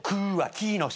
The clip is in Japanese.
木の下」